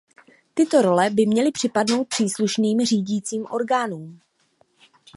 Tyto role by měly připadnout příslušným řídícím orgánům.